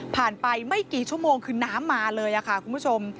ไปไม่กี่ชั่วโมงคือน้ำมาเลยค่ะคุณผู้ชม